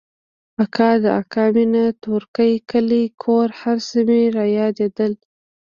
اکا د اکا مينه تورکى کلى کور هرڅه مې رايادېدل.